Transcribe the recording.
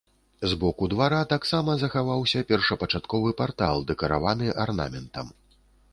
З боку двара таксама захаваўся першапачатковы партал, дэкараваны арнаментам.